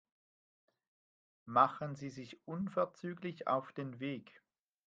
Machen Sie sich unverzüglich auf den Weg.